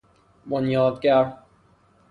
بنیاد گر